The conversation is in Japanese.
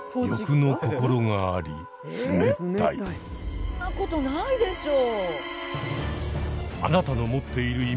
そんなことないでしょう！